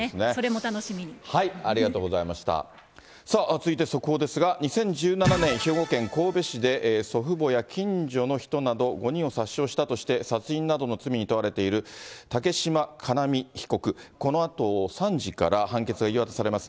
続いて速報ですが、２０１７年、兵庫県神戸市で祖父母や近所の人など５人を殺傷したとして殺人などの罪に問われている竹島叶実被告、このあと３時から判決が言い渡されます。